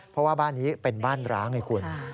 เพราะว่าบ้านนี้เป็นบ้านร้างไงคุณ